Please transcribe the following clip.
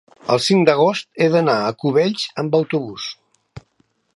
el cinc d'agost he d'anar a Cubells amb autobús.